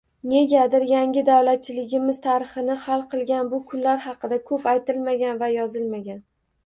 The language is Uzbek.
Negadir, yangi davlatchiligimiz tarixini hal qilgan bu kunlar haqida ko'p aytilmagan va yozilmagan